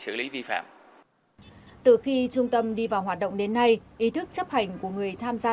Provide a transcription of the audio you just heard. xử lý vi phạm từ khi trung tâm đi vào hoạt động đến nay ý thức chấp hành của người tham gia